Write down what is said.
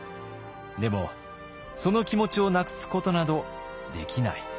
でもその気持ちをなくすことなどできない。